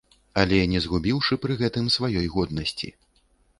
Але не згубіўшы пры гэтым сваёй годнасці.